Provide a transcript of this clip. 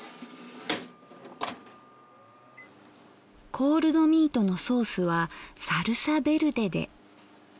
コールドミートのソースはサルサベルデで。